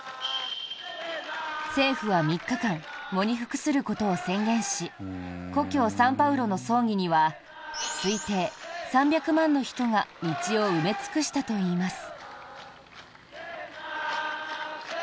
政府は３日間喪に服することを宣言し故郷・サンパウロの葬儀には推定３００万の人が道を埋め尽くしたといいます。